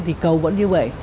thì cầu vẫn như vậy